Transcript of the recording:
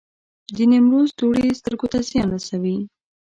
د نیمروز دوړې سترګو ته زیان رسوي؟